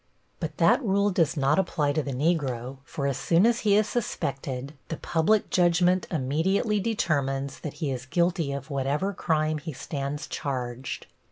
But that rule does not apply to the Negro, for as soon as he is suspected the public judgment immediately determines that he is guilty of whatever crime he stands charged.